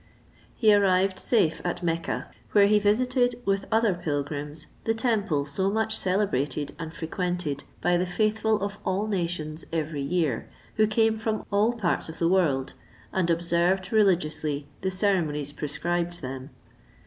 He arrived safe at Mecca, where he visited, with other pilgrims, the temple so much celebrated and frequented by the faithful of all nations every year, who came from all parts of the world, and observed religiously the ceremonies prescribed them.